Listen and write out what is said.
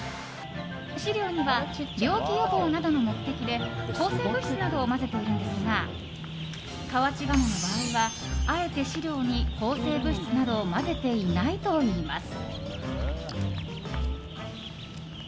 飼料には、病気予防などの目的で抗生物質などを混ぜているんですが河内鴨の場合はあえて飼料に抗生物質などを混ぜていないといいます。